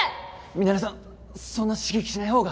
ミナレさんそんな刺激しないほうが。